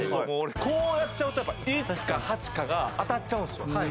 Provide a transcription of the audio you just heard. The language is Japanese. こうやっちゃうと１か８かが当たっちゃうんですよ。